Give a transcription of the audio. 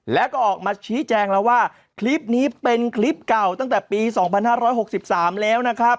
แล้วก็ออกมาชี้แจงแล้วว่าคลิปนี้เป็นคลิปเก่าตั้งแต่ปี๒๕๖๓แล้วนะครับ